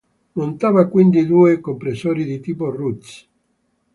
Montava quindi due compressori di tipo Roots.